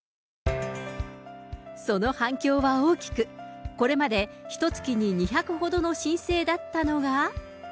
その反響は大きく、これまでひとつきに２００ほどの申請だったのが。